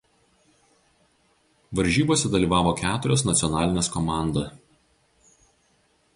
Varžybose dalyvavo keturios nacionalinės komanda.